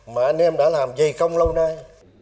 mà anh em đã làm gì không lâu nay